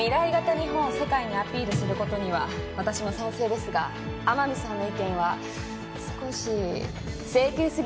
日本を世界にアピールすることには私も賛成ですが天海さんの意見は少し性急すぎる気がします